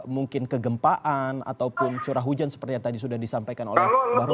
mungkin kegempaan ataupun curah hujan seperti yang tadi sudah disampaikan oleh bahrul